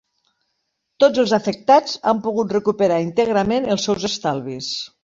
Tots els afectats han pogut recuperar íntegrament els seus estalvis.